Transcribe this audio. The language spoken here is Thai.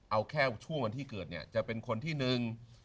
เอาแค่ช่วงวันที่เกิดเนี่ยจะเป็นคนที่หนึ่ง